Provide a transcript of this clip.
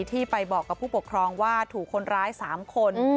ที่ไปบอกกับผู้ปกครองว่าถูกคนร้าย๓คน